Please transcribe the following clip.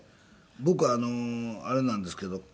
僕あれなんですけど。